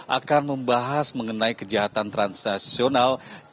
akan membahas mengenai kejahatan transnasional